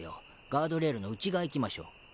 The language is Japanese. ガードレールの内側行きましょう。